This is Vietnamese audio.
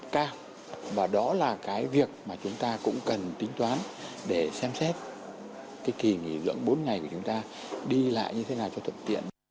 cao và đó là cái việc mà chúng ta cũng cần tính toán để xem xét cái kỳ nghỉ dưỡng bốn ngày của chúng ta đi lại như thế nào cho thuận tiện